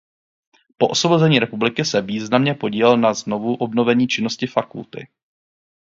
Po osvobození republiky se významně podílel na znovuobnovení činnosti fakulty.